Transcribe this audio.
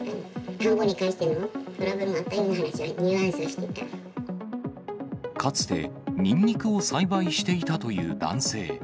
田んぼに関してのトラブルがあったような話、かつて、にんにくを栽培していたという男性。